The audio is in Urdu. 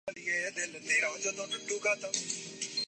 ریاست مدینہ کا۔